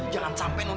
jangan tinggal diem non